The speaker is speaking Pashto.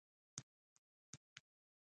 موږ له ښاره ور وځو.